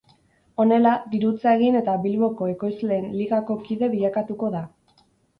Honela, dirutza egin eta Bilboko Ekoizleen Ligako kide bilakatuko da.